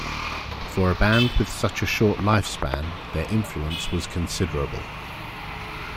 For a band with such a short lifespan, their influence was considerable.